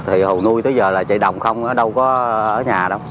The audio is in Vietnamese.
thì hộ nuôi tới giờ là chạy đồng không đâu có ở nhà đâu